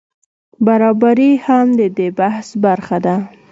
برابري هم د دې بحث برخه ده.